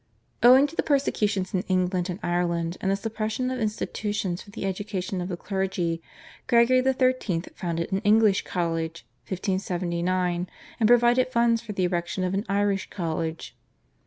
Owing to the persecutions in England and Ireland and the suppression of institutions for the education of the clergy, Gregory XIII. founded an English College (1579) and provided funds for the erection of an Irish College.